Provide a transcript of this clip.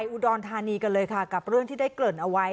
อุดรธานีกันเลยค่ะกับเรื่องที่ได้เกริ่นเอาไว้